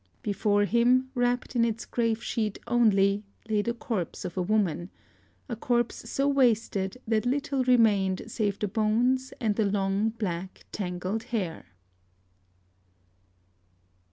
Before him, wrapped in its grave sheet only, lay the corpse of a woman, a corpse so wasted that little remained save the bones, and the long black tangled hair.